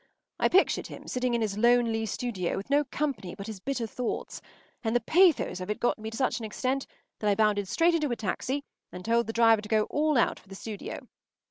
I pictured him sitting in his lonely studio with no company but his bitter thoughts, and the pathos of it got me to such an extent that I bounded straight into a taxi and told the driver to go all out for the studio.